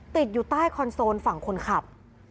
ติดอยู่ใต้คอนโซลฝั่งคนขับ